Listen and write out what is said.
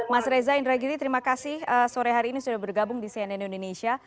mas reza indragiri terima kasih sore hari ini sudah bergabung di cnn indonesia